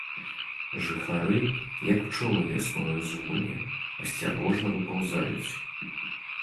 Жыхары, як пчолы вясною з вулля, асцярожна выпаўзаюць.